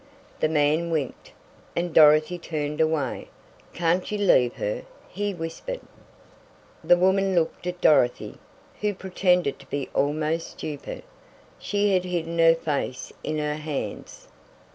The man winked, and Dorothy turned away. "Can't you leave her?" he whispered. The woman looked at Dorothy, who pretended to be almost stupid. She had hidden her face in her hands.